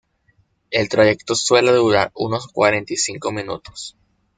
El trayecto suele durar unos cuarenta y cinco minutos.